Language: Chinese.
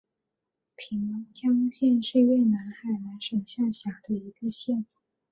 平江县是越南海阳省下辖的一个县。